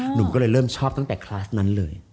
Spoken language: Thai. หนูก็เลยเริ่มชอบตั้งแต่คลาสนั้นเลย